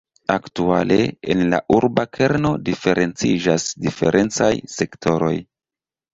Aktuale, en la urba kerno diferenciĝas diferencaj sektoroj.